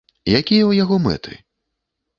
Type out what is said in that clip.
Якія ў яго мэты?